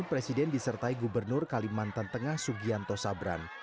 presiden disertai gubernur kalimantan tengah sugianto sabran